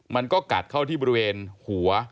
มันก็กัดเข้าที่บริเวณหัว